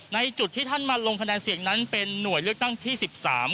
ในจุดที่ท่านมาลงคะแนนเสียงนั้นเป็นหน่วยเลือกตั้งที่๑๓